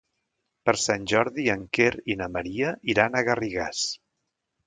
Per Sant Jordi en Quer i na Maria iran a Garrigàs.